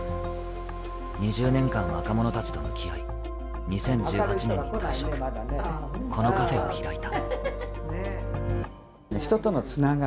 ２０年間、若者たちと向き合い２０１８年に退職、このカフェを開いた。